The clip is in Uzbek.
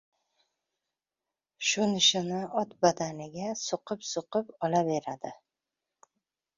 Shu nishini ot badaniga suqib-suqib ola beradi.